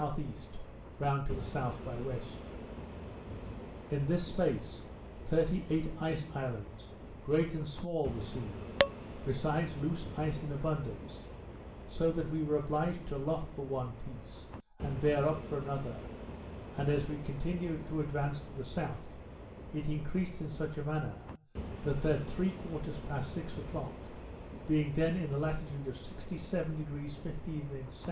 E., round by the S. to W. In this space, thirty eight ice islands, great and small, were seen, besides loose ice in abundance, so that we were obliged to luff for one piece, and bear up for another, and as we continued to advance to the south, it increased in such a manner, that at three quarters past six o'clock, being then in the latitude of 67° 15' S.